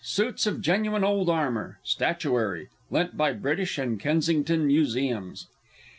Suits of genuine old armour. Statuary (lent by British and Kensington Museums).